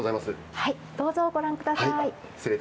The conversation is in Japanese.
どうぞご覧ください。